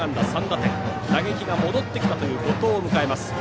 打撃が戻ってきたという後藤を迎えます。